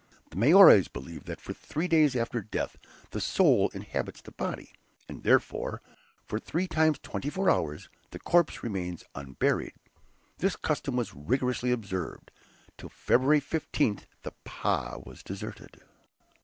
The Maories believe that for three days after death the soul inhabits the body, and therefore, for three times twenty four hours, the corpse remains unburied. This custom was rigorously observed. Till February 15th the "pah" was deserted.